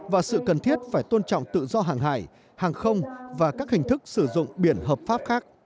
và sự cần thiết phải tôn trọng tự do hàng hải hàng không và các hình thức sử dụng biển hợp pháp khác